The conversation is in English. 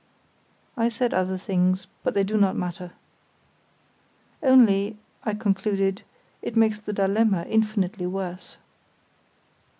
I said other things, but they do not matter. "Only," I concluded, "it makes the dilemma infinitely worse."